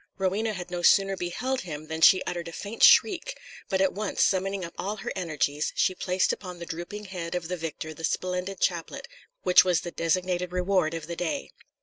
Rowena had no sooner beheld him than she uttered a faint shriek; but at once summoning up all her energies, she placed upon the drooping head of the victor the splendid chaplet which was the destined reward of the day.